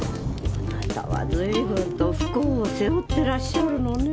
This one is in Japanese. あなたは随分と不幸を背負ってらっしゃるのね。